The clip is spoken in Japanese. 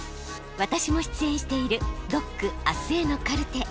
私も出演している「ＤＯＣあすへのカルテ」。